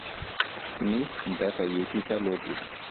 Zunächst entbehrt er jeglicher Logik.